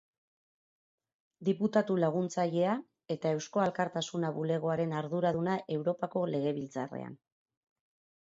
Diputatu laguntzailea eta Eusko Alkartasuna bulegoaren arduraduna Europako Legebiltzarrean